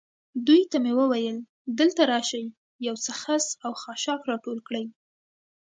دوی ته مې وویل: دلته راشئ، یو څه خس او خاشاک را ټول کړئ.